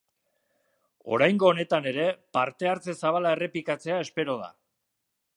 Oraingo honetan ere parte hartze zabala errepikatzea espero da.